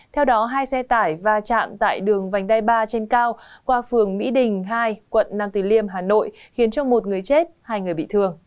theo đó hai xe tải va chạm tại đường vành đai ba trên cao qua phường mỹ đình hai quận nam từ liêm hà nội khiến cho một người chết hai người bị thương